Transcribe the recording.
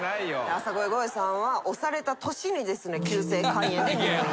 浅越ゴエさんは推された年に急性肝炎で入院。